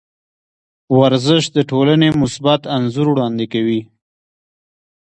ورزش د ټولنې مثبت انځور وړاندې کوي.